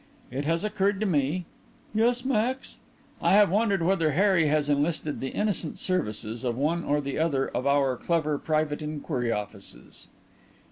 It has occurred to me " "Yes, Max?" "I have wondered whether Harry has enlisted the innocent services of one or other of our clever private inquiry offices."